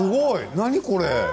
何これ？